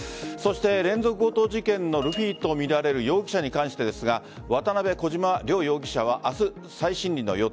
連続強盗事件のルフィとみられる容疑者に関してですが渡辺・小島両容疑者は明日再審理の予定。